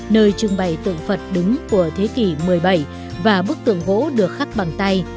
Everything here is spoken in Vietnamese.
nơi trưng bày tượng phật đứng của thế kỷ một mươi bảy và bức tượng gỗ được khắc bằng tay